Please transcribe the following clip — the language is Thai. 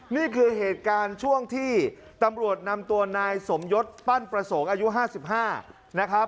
นี่คือเหตุการณ์ช่วงที่ตำรวจนำตัวนายสมยศปั้นประสงค์อายุ๕๕นะครับ